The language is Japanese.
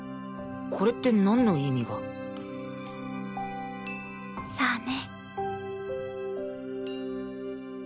これってなんの意味が？さあね。